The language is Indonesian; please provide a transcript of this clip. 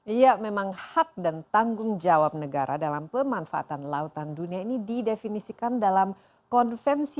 ya memang hak dan tanggung jawab negara dalam pemanfaatan lautan dunia ini didefinisikan dalam konvensi pbb tentang hukum laut